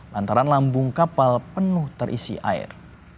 lantaran lambung kapal penuh terisi air